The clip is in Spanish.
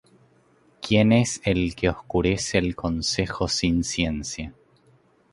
¿Quién es el que oscurece el consejo sin ciencia?